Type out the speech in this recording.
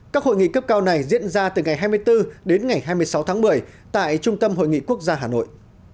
các hội nghị cấp cao này diễn ra từ ngày hai mươi bốn đến ngày hai mươi sáu tháng một mươi tại trung tâm hội nghị quốc gia hà nội